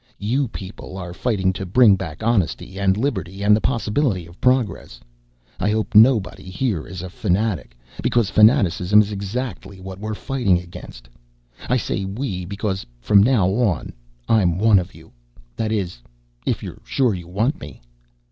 You people are fighting to bring back honesty and liberty and the possibility of progress. I hope nobody here is a fanatic, because fanaticism is exactly what we're fighting against. I say we, because from now on I'm one of you. That is, if you're sure you want me."